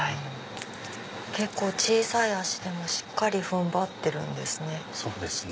結構小さい脚でもしっかり踏ん張ってるんですね。